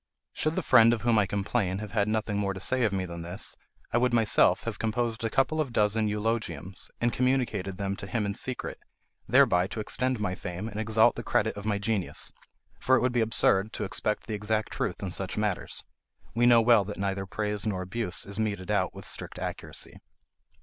Should the friend of whom I complain have had nothing more to say of me than this, I would myself have composed a couple of dozen of eulogiums, and communicated them to him in secret, thereby to extend my fame and exalt the credit of my genius; for it would be absurd to expect the exact truth in such matters. We know well that neither praise nor abuse is meted out with strict accuracy.